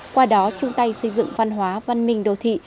qua đó chung tay xây dựng văn hóa văn minh đô thị